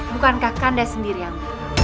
bukankah kanda sendiri yang